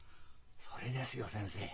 それですよ先生。